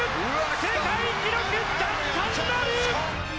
世界記録奪還なる！